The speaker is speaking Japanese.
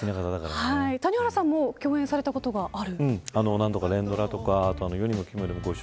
谷原さんも共演されたことがある。